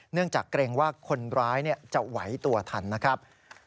จากเกรงว่าคนร้ายจะไหวตัวทันนะครับ